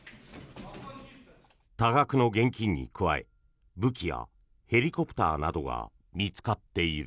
多額の現金に加え武器やヘリコプターなどが見つかっている。